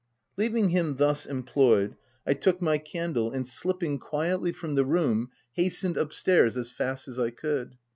Leaving him thus employed, I took my OF WILDFELL HALL. 137 candle, and slipping quietly from the room, hastened up stairs as fast as I could.